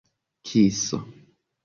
kiso